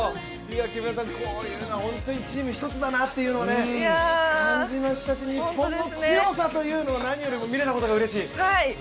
木村さん、チーム１つだなというのを感じましたし日本の強さというのを何よりも見れたことがうれしい。